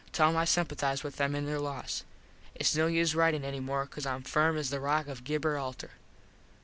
Tell em I simpathize with them in there loss. Its no use ritin any more cause Im firm as the rock of Gibber Alter.